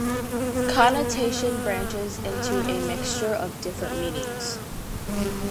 "Connotation" branches into a mixture of different meanings.